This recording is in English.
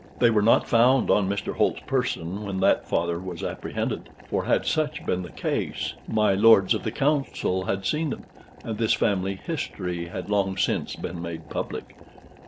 They were not found on Mr. Holt's person when that Father was apprehended, for had such been the case my Lords of the Council had seen them, and this family history had long since been made public.